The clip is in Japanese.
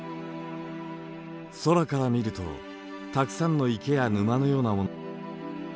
空から見るとたくさんの池や沼のようなものが並んでいます。